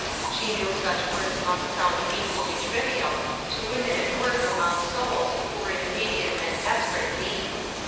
She knew such words must sound painfully trivial to women at work among souls who were in immediate and desperate need.